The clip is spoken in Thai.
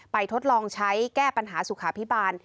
ทดลองใช้แก้ปัญหาสุขาพิบาล